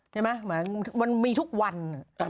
ใช่ไหมมีทุกวันให้ต่อ